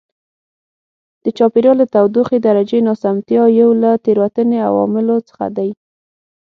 د چاپېریال د تودوخې درجې ناسمتیا یو له تېروتنې عواملو څخه دی.